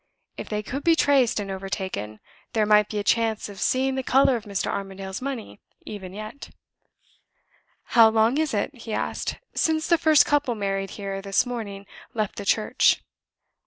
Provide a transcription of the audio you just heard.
If they could be traced and overtaken, there might be a chance of seeing the color of Mr. Armadale's money even yet. "How long is it," he asked, "since the first couple married here this morning left the church?"